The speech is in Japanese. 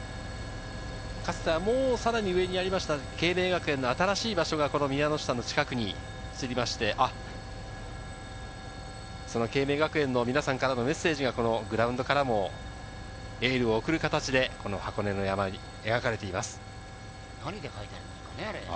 さらに上にありました恵明学園の新しい場所が宮ノ下の近くに移って、恵明学園の皆さんからのメッセージがグラウンドからもエールを送る形で箱根の山に描かれています。